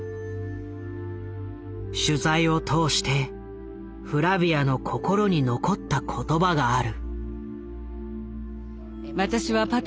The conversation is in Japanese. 取材を通してフラヴィアの心に残った言葉がある。